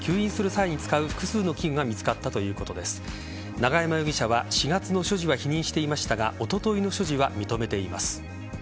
永山容疑者は４月の所持は否認していましたがおとといの所持は認めています。